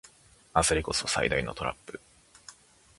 焦りこそ最大のトラップ